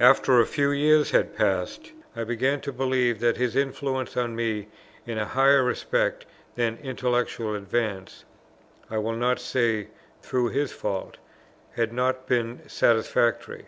After a few years had passed, I began to believe that his influence on me in a higher respect than intellectual advance, (I will not say through his fault,) had not been satisfactory.